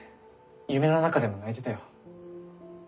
夢の中でも泣いてたよ。